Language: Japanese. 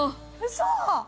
嘘？